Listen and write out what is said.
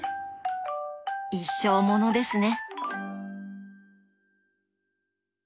一生ものですね！